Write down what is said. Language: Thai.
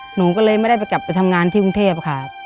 หนูก็เลยไม่ได้ไปกลับไปทำงานที่กรุงเทพค่ะ